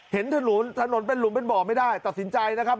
เห็นถนนถนนเป็นหลุมเป็นบ่อไม่ได้ตัดสินใจนะครับ